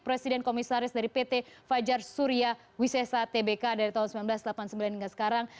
presiden komisaris dari pt fajar surya wisesa tbk dari tahun seribu sembilan ratus delapan puluh sembilan hingga sekarang